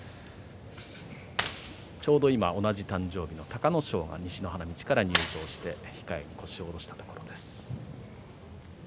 ちょうど今同じ誕生日の隆の勝が西の花道から入場して控えに腰を下ろしたところです。